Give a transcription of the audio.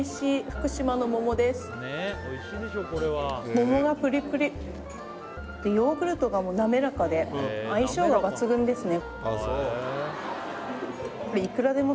桃がプリプリヨーグルトが滑らかで相性が抜群ですね